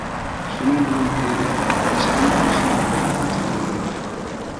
شۇنىڭ بىلەن ئېرى ھېچقانداق ئىشنى ۋۇجۇدقا چىقىرالمايدۇ.